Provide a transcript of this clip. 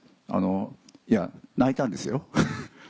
いや泣いたんですよ。